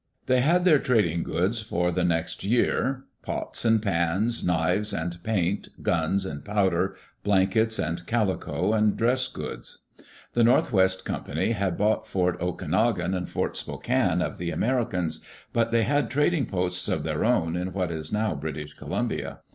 They had dieir trading goods for the next year — pots and pans, knives and paint, guns and powder, blankets and calico and dress goods. The North West Company had bought Fort Okanogan and Fort Spokane of the Americans, but they had trading posts of their own in what is now British Columbia.